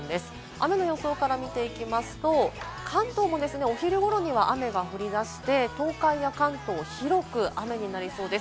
雨の予想から見ていきますと、関東もお昼頃には雨が降り出して、東海や関東、広く雨になりそうです。